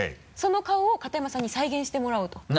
その顔を片山さんに再現してもらおうと。